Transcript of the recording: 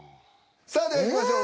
さあではいきましょう。